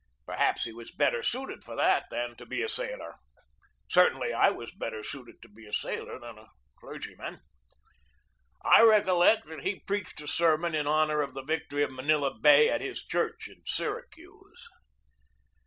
Perhaps he was better suited for that than to be a sailor. Certainly I was better suited to be a sailor than a clergyman. I recollect that he preached a sermon in honor of the victory of Manila Bay at his church in Syracuse.